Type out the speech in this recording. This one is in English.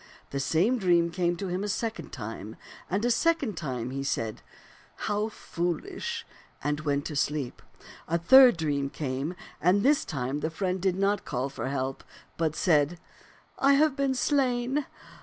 The same dream came to him a second time, and a second time he said, * How foolish !' and went to sleep. A third dream came, and this time the friend did not call for help, but said, * I have been slain.